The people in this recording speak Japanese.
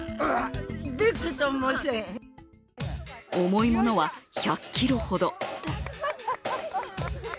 重いものは１００ｋｇほど。